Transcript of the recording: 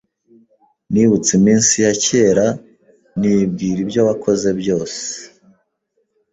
“Nibutse iminsi ya kera, Nibwira ibyo wakoze byose,